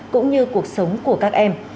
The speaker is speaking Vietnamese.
cũng như cuộc sống của các em